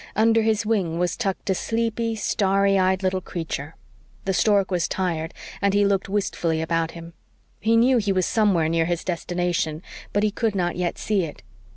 Under his wing was tucked a sleepy, starry eyed, little creature. The stork was tired, and he looked wistfully about him. He knew he was somewhere near his destination, but he could not yet see it.